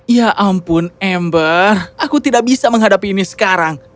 ya ampun ember aku tidak bisa menghadapi ini sekarang